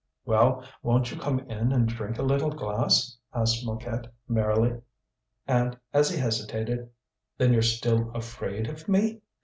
"Well, won't you come in and drink a little glass?" asked Mouquette merrily. And as he hesitated: "Then you're still afraid of me?"